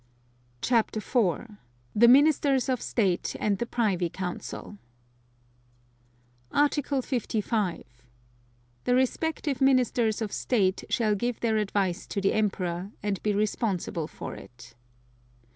CHAPTER IV. THE MINISTERS OF STATE AND THE PRIVY COUNCIL Article 55. The respective Ministers of State shall give their advice to the Emperor, and be responsible for it.